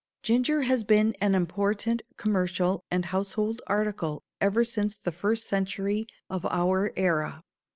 Ginger has been an important commercial and household article ever since the first century of our era.